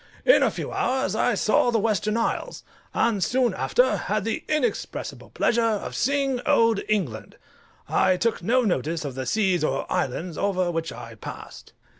In a few hours I saw the Western Isles, and soon after had the inexpressible pleasure of seeing Old England. I took no notice of the seas or islands over which I passed.